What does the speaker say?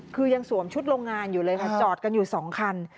คือยังสวมชุดโรงงานอยู่เลยค่ะจอดกันอยู่๒คัน